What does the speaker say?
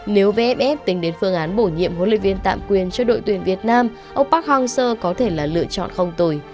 nếu vff tính đến phương án bổ nhiệm huấn luyện viên tạm quyền cho đội tuyển việt nam ông park hang seo có thể là lựa chọn không tồi